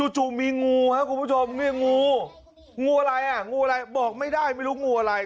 จู่มีงูครับคุณผู้ชมงูอะไรบอกไม่ได้ไม่รู้งูอะไร